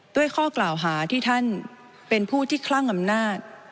ข้อกล่าวหาที่ท่านเป็นผู้ที่คลั่งอำนาจ